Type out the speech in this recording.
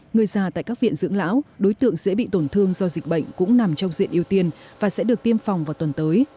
người già tại các viện dưỡng lão đối tượng sẽ bị tổn thương do dịch bệnh cũng nằm trong diện ưu tiên và sẽ được tiêm phòng vào tuần tới